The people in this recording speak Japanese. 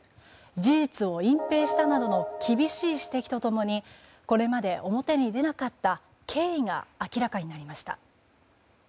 事実を隠蔽したなどの厳しい指摘と共にこれまで表に出なかった経緯が明らかになりました。